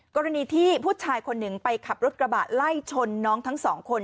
กรณีที่ผู้ชายคนหนึ่งไปขับรถกระบะไล่ชนน้องทั้งสองคน